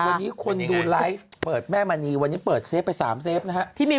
วันนี้คนดูไลฟ์เปิดแม่มันีวันนี้เปิดไปสามนะฮะที่มี